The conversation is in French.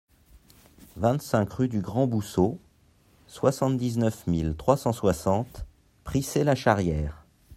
vingt-cinq rue du Grand Bousseau, soixante-dix-neuf mille trois cent soixante Prissé-la-Charrière